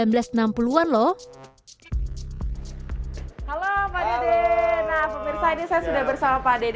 halo pak dede nah pemirsa ini saya sudah bersama pak dede